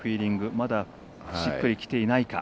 まだ、しっくりきていないか。